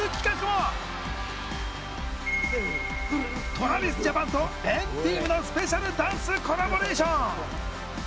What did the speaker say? ＴｒａｖｉｓＪａｐａｎと＆ＴＥＡＭのスペシャルダンスコラボレーション！